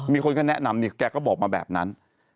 มีคนก็แนะนำนี่แกก็บอกมาแบบนั้น